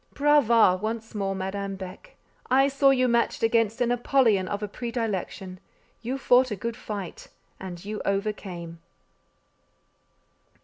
Brava! once more, Madame Beck. I saw you matched against an Apollyon of a predilection; you fought a good fight, and you overcame!